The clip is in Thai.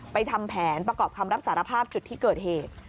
ทำแผนประกอบคำรับสารภาพจุดที่เกิดเหตุ